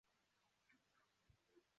兰州鲇为鲇科鲇属的鱼类。